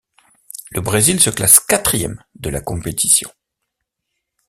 Le Brésil se classe quatrième de la compétition.